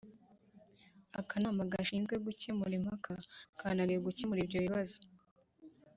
Akanama gashinzwe gukemura impaka kananiwe gukemura ibyo bibazo